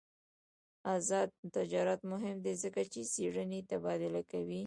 آزاد تجارت مهم دی ځکه چې څېړنې تبادله کوي.